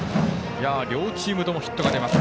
両チームともヒットが出ます。